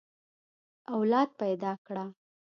اولاد پيدا کړه.